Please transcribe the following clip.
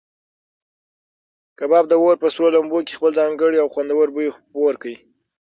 کباب د اور په سرو لمبو کې خپل ځانګړی او خوندور بوی خپور کړ.